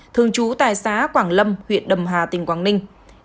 thường trú tại xã quảng lâm huyện đầm hà tỉnh quảng ninh